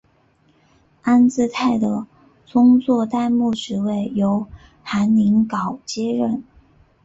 安治泰的宗座代牧职位由韩宁镐接任。